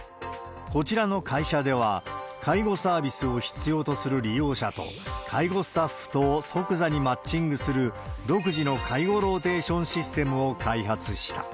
こちらの会社では、介護サービスを必要とする利用者と介護スタッフとを即座にマッチングする、独自の介護ローテーションシステムを開発した。